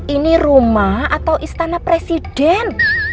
ini rumah atau istana presiden